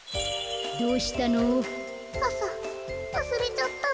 どうしたの？